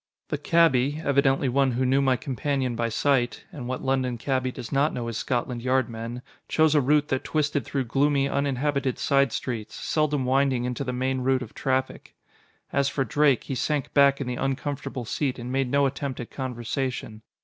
The cabby, evidently one who knew my companion by sight (and what London cabby does not know his Scotland Yard men!) chose a route that twisted through gloomy, uninhabited side streets, seldom winding into the main route of traffic. As for Drake, he sank back in the uncomfortable seat and made no attempt at conversation.